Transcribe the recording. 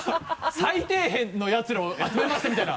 「最底辺のやつらを集めました」みたいな。